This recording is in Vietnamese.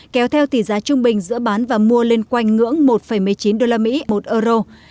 kéo theo tỷ giá trung bình giữa bán và mua liên quanh ngưỡng một một mươi chín usd một euro